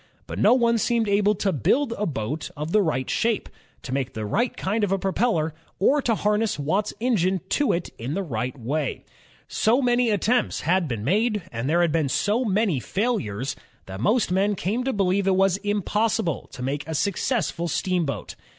But no one seemed able to build a boat of the right shape, to make the right kind of a propeller, or to harness Watt's engine to it in the right way. So many attempts had been made, and there had been so many failures, that most men came to believe it was impossible to make a successful steam boat.